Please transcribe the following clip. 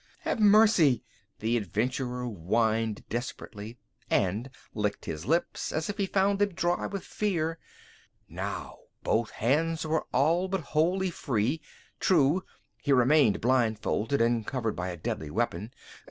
"Have mercy!" the adventurer whined desperately and licked his lips as if he found them dry with fear. Now both hands were all but wholly free. True: he remained blindfolded and covered by a deadly weapon.